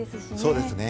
そうですね。